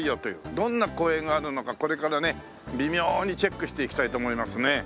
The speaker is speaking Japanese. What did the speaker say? どんな公園があるのかこれからね微妙にチェックしていきたいと思いますね。